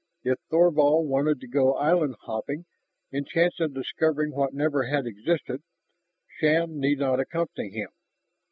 If Thorvald wanted to go island hopping in chance of discovering what never had existed, Shann need not accompany him.